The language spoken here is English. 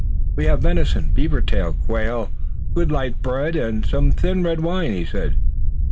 "We have venison, beaver tail, quail, good light bread and some thin red wine," he said.